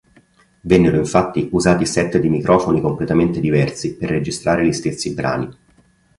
Vennero infatti usati set di microfoni completamente diversi per registrare gli stessi brani.